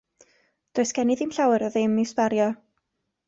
Does gen i ddim llawer o ddim i'w sbario.